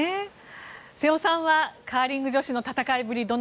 瀬尾さんはカーリング女子の戦いぶり